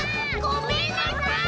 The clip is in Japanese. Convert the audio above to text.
ごめんなさい！